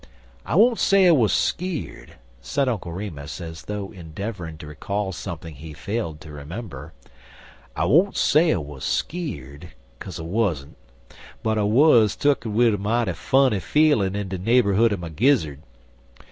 I won't say I wuz skeer'd," said Uncle Remus, as though endeavoring to recall something he failed to remember, "I won't say I wuz skeer'd, kaze I wuzzent; but I wuz took'n wid a mighty funny feelin' in de naberhood er de gizzard.